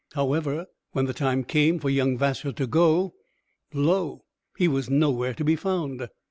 However, when the time came for young Vassar to go, lo, he was nowhere to be found.